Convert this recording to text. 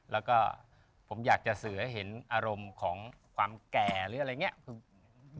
แล้วก็ผมอยากจะสื่อให้เห็นอารมณ์ของความแก่หรืออะไรอย่างนี้